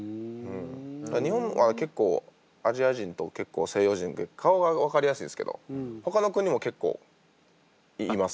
だから日本は結構アジア人と西洋人って顔が分かりやすいんすけどほかの国も結構います。